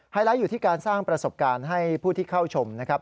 ไลท์อยู่ที่การสร้างประสบการณ์ให้ผู้ที่เข้าชมนะครับ